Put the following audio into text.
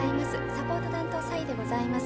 サポート担当蔡でございます。